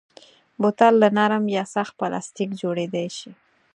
بوتل له نرم یا سخت پلاستیک جوړېدای شي.